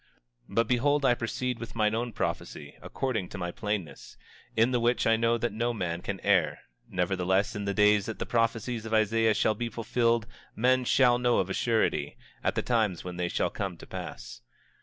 25:7 But behold, I proceed with mine own prophecy, according to my plainness; in the which I know that no man can err; nevertheless, in the days that the prophecies of Isaiah shall be fulfilled men shall know of a surety, at the times when they shall come to pass.